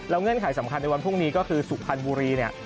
เงื่อนไขสำคัญในวันพรุ่งนี้ก็คือสุพรรณบุรีเนี่ย